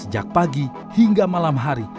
sejak pagi hingga malam hari